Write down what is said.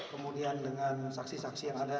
kemudian dengan saksi saksi yang ada